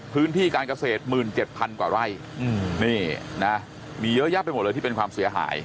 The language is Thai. พื้นที่การเกษตร๑๗๐๐กว่าไร่นี่นะมีเยอะแยะไปหมดเลยที่เป็นความเสียหาย